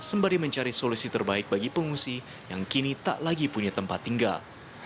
sembari mencari solusi terbaik bagi pengungsi yang kini tak lagi punya tempat tinggal